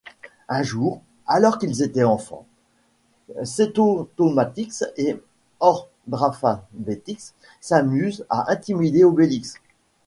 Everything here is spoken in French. Un jour, alors qu'ils étaient enfants, Cétautomatix et Ordralfabétix s'amusent à intimider Obélix.